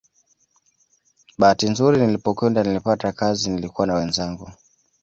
Bahati nzuri nilipokwenda nilipata kazi nilikuwa na wenzangu